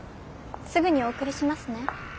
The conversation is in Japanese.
すぐにお送りしますね。